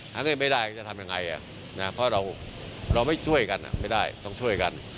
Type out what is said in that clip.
หาเงินไม่ได้จะทำยังไงเพราะเราไม่ช่วยกันไม่ได้ต้องช่วยกัน